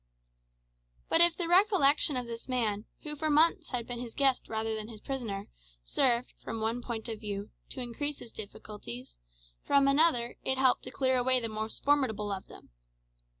But if the recollection of this man, who for months had been his guest rather than his prisoner, served, from one point of view, to increase his difficulties, from another, it helped to clear away the most formidable of them.